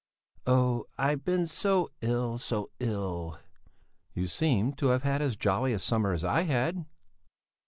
"Oh! I've been so ill, so ill!" "You seem to have had as jolly a summer as I had!"